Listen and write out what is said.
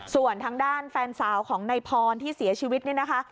ส่วนทางด้านแฟนสาวของนายพรที่เสียชีวิตนี่นะคะ